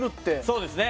そうですね。